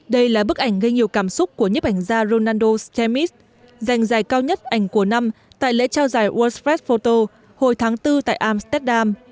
đây là bức ảnh gây nhiều cảm xúc của nhếp ảnh gia ronaldo stemis dành dài cao nhất ảnh của năm tại lễ trao giải world s first photo hồi tháng bốn tại amsterdam